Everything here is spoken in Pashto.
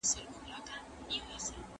بس که! آسمانه نور یې مه زنګوه